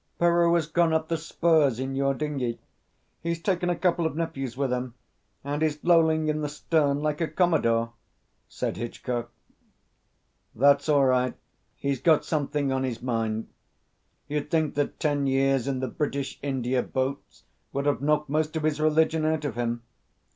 "Peroo has gone up the spurs in your dinghy. He's taken a couple of nephews with him, and he's lolling in the stern like a commodore," said Hitchcock. "That's all right. He's got something on his mind. You'd think that ten years in the British India boats would have knocked most of his religion out of him."